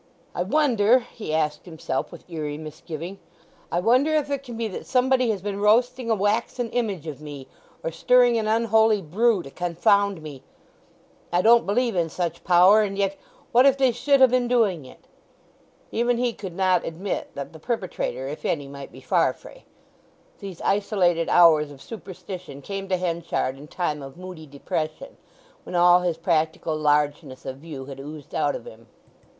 "I wonder," he asked himself with eerie misgiving; "I wonder if it can be that somebody has been roasting a waxen image of me, or stirring an unholy brew to confound me! I don't believe in such power; and yet—what if they should ha' been doing it!" Even he could not admit that the perpetrator, if any, might be Farfrae. These isolated hours of superstition came to Henchard in time of moody depression, when all his practical largeness of view had oozed out of him.